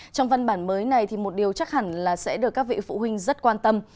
trong văn bản mới này một điều chắc hẳn sẽ được các vị phụ huynh rất quan tâm